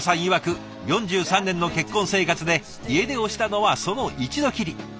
いわく４３年の結婚生活で家出をしたのはその一度きり。